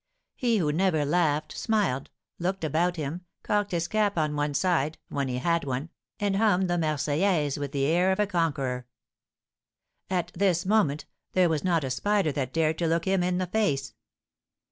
He who never laughed, smiled, looked about him, cocked his cap on one side (when he had one), and hummed the 'Marseillaise' with the air of a conqueror. At this moment, there was not a spider that dared to look him in the face.